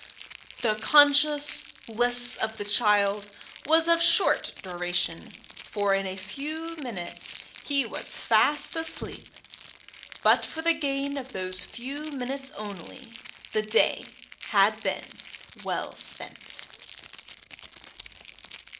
The conscious bliss of the child was of short duration, for in a few minutes he was fast asleep; but for the gain of those few minutes only, the day had been well spent.